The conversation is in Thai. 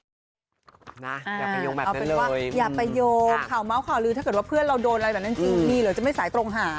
เอาเป็นเอาเป็นว่าอย่าไปโยงข่าวเมาส์ข่าวลือถ้าเกิดว่าเพื่อนเราโดนอะไรแบบนั้นจริงมีเหรอจะไม่สายตรงหา